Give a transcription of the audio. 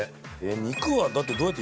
肉はだってどうやって。